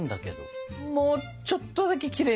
もうちょっとだけきれいにしたいな。